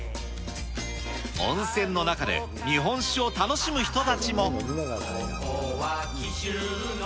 温泉の中で日本酒を楽しむ人たちも。